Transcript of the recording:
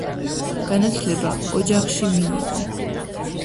განათლება ოჯახში მიიღო.